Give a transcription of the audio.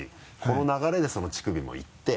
この流れでその乳首もいって。